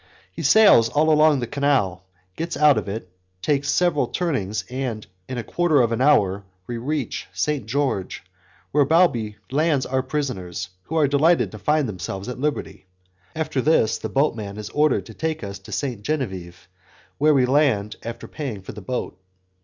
He sails all along the canal, gets out of it, takes several turnings, and in a quarter of an hour, we reach Saint George where Balbi lands our prisoners, who are delighted to find themselves at liberty. After this, the boatman is ordered to take us to Saint Genevieve, where we land, after paying for the boat.